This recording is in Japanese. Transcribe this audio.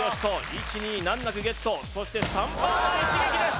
１・２難なくゲットそして３番一撃です